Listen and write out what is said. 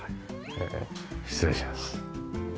失礼します。